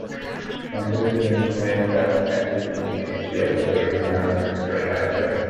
সম্প্রতি তিনি স্প্যানিশ গায়ক এনরিক ইগলেসিয়াসের একটি গানের ভিডিওতে কাজ করেছেন।